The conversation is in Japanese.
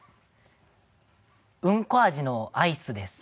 うんこ味のアイスです。